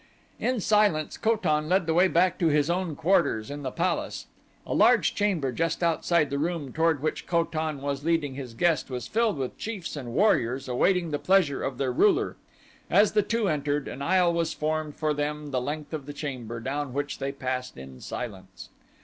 In silence Ko tan led the way back to his own quarters in the palace. A large chamber just outside the room toward which Ko tan was leading his guest was filled with chiefs and warriors awaiting the pleasure of their ruler. As the two entered, an aisle was formed for them the length of the chamber, down which they passed in silence.